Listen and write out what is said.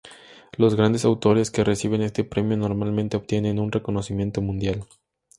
Los grandes autores que reciben este premio normalmente obtienen un reconocimiento mundial.